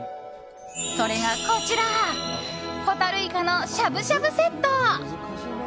それが、こちらほたるいかのしゃぶしゃぶセット。